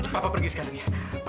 papa pergi sekarang ya